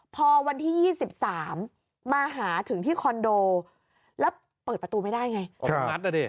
พอวันที่๒๓มาหาถึงที่คอนโดแล้วเปิดประตูไม่ได้ไง